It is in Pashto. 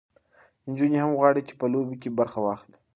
نجونې هم غواړي چې په لوبو کې برخه واخلي.